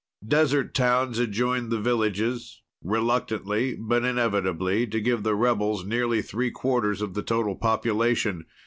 Desert towns had joined the villages, reluctantly but inevitably, to give the rebels nearly three quarters of the total population.